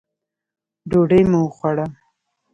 ډوډۍ مو وخوړه.